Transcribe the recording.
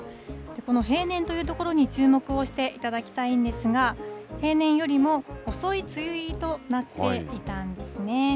この平年というところに注目をしていただきたいんですが、平年よりも遅い梅雨入りとなっていたんですね。